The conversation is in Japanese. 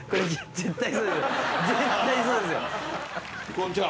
こんちは。